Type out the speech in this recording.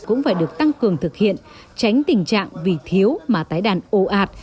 cũng phải được tăng cường thực hiện tránh tình trạng vì thiếu mà tái đàn ồ ạt